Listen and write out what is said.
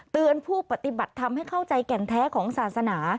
ผู้ปฏิบัติทำให้เข้าใจแก่นแท้ของศาสนา